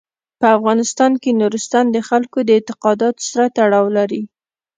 په افغانستان کې نورستان د خلکو د اعتقاداتو سره تړاو لري.